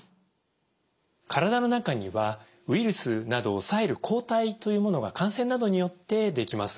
体の中にはウイルスなどを抑える抗体というものが感染などによってできます。